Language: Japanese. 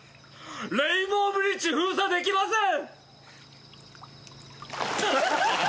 レインボーブリッジ封鎖できません！」